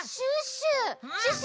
シュッシュ！